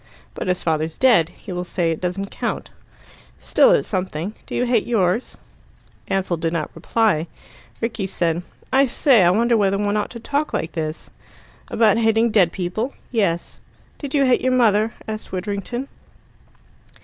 "But his father's dead. He will say it doesn't count." "Still, it's something. Do you hate yours?" Ansell did not reply. Rickie said: "I say, I wonder whether one ought to talk like this?" "About hating dead people?" "Yes " "Did you hate your mother?" asked Widdrington.